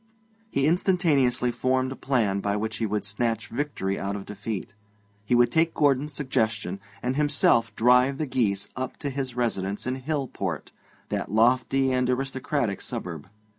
He instantaneously formed a plan by which he would snatch victory out of defeat. He would take Gordon's suggestion, and himself drive the geese up to his residence in Hillport, that lofty and aristocratic suburb.